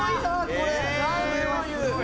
これ。